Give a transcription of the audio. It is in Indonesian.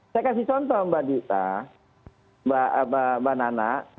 saya kasih contoh mbak dita mbak nana